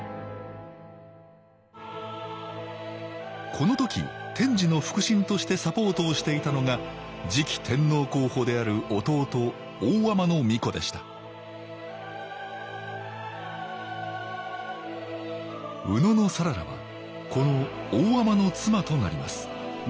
この時天智の腹心としてサポートをしていたのが次期天皇候補である弟大海人皇子でした野讚良はこの大海人の妻となります